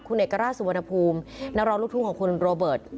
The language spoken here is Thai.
คุณเอกราชสุวรรณภูมินักร้องลูกทุ่งของคุณโรเบิร์ต